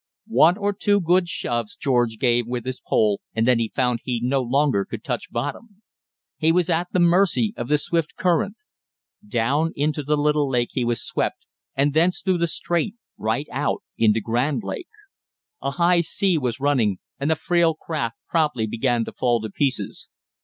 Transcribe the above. One or two good shoves George gave with his pole, and then found he no longer could touch bottom. He was at the mercy of the swift current. Down into the little lake he was swept, and thence through the strait right out into Grand Lake. A high sea was running, and the frail raft promptly began to fall to pieces.